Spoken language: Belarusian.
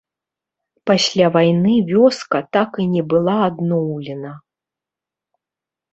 Пасля вайны вёска так і не была адноўлена.